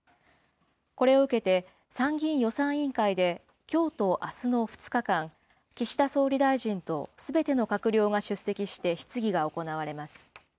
これを受けて、参議院予算委員会できょうとあすの２日間、岸田総理大臣とすべての閣僚が出席して質疑が行われます。